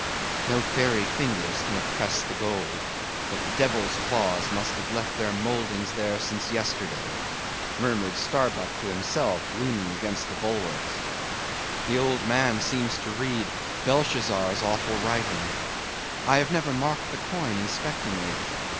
"No fairy fingers can have pressed the gold, but devil's claws must have left their mouldings there since yesterday," murmured Starbuck to himself, leaning against the bulwarks. "The old man seems to read Belshazzar's awful writing. I have never marked the coin inspectingly.